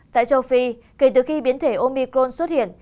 tại châu phi kể từ khi biến thể omicron xuất hiện